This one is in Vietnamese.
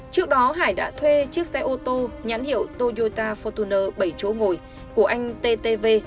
trước đó hải đã thuê chiếc xe ô tô nhãn hiệu toyota fortuner bảy chỗ ngồi của anh ttv